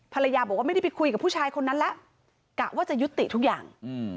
ภรรยาบอกว่าไม่ได้ไปคุยกับผู้ชายคนนั้นแล้วกะว่าจะยุติทุกอย่าง